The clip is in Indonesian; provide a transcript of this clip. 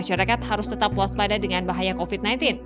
masyarakat harus tetap waspada dengan bahaya covid sembilan belas